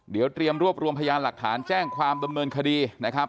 เดี๋ยวเตรียมรวบรวมพยานหลักฐานแจ้งความดำเนินคดีนะครับ